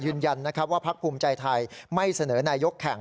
ยืนยันนะครับว่าพักภูมิใจไทยไม่เสนอนายกแข่ง